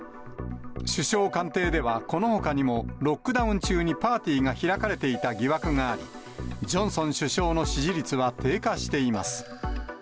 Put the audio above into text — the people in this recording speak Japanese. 首相官邸ではこのほかにも、ロックダウン中にパーティーが開かれていた疑惑があり、ジョンソン首相の支持率は低下しています。